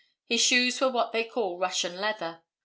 His shoes were what they call Russian leather.